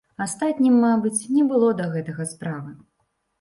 Астатнім, мабыць, не было да гэтага справы.